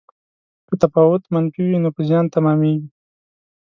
که تفاوت منفي وي نو په زیان تمامیږي.